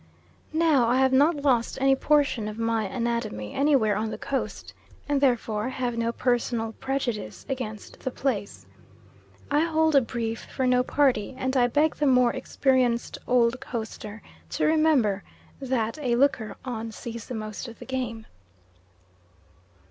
Now I have not lost any portion of my anatomy anywhere on the Coast, and therefore have no personal prejudice against the place. I hold a brief for no party, and I beg the more experienced old coaster to remember that "a looker on sees the most of the game."